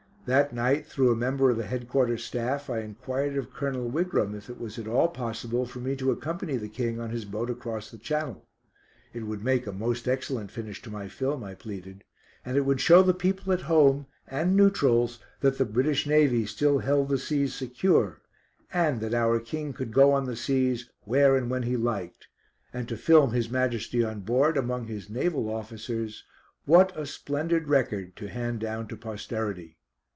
That night, through a member of the Headquarter Staff, I enquired of Colonel Wigram if it was at all possible for me to accompany the King on his boat across the Channel. It would make a most excellent finish to my film, I pleaded, and it would show the people at home and neutrals that the British Navy still held the seas secure, and that our King could go on the seas where and when he liked, and to film His Majesty on board, among his naval officers, what a splendid record to hand down to posterity.